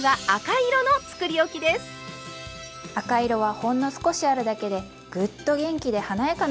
赤色はほんの少しあるだけでぐっと元気で華やかな印象になりますよ。